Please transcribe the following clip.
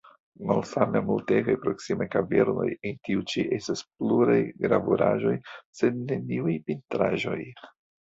Malsame al multegaj proksimaj kavernoj, en tiu ĉi estas pluraj gravuraĵoj, sed neniuj pentraĵoj.